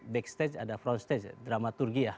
backstage ada frontstage dramaturgi ya